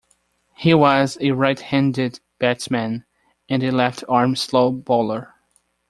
He was a right-handed batsman and a left-arm slow bowler.